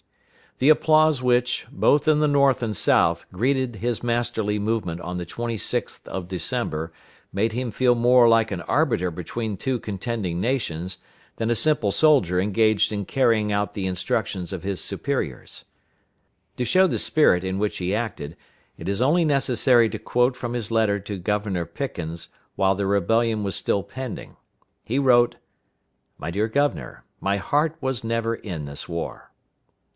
The applause which, both in the North and South, greeted his masterly movement of the 26th of December, made him feel more like an arbiter between two contending nations than a simple soldier engaged in carrying out the instructions of his superiors. To show the spirit in which he acted, it is only necessary to quote from his letter to Governor Pickens while the rebellion was still pending. He wrote: "My dear Governor, my heart was never in this war."